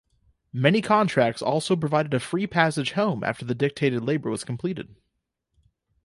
Many contracts also provided a free passage home after the dictated labor was completed.